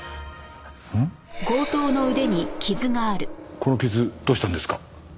この傷どうしたんですか？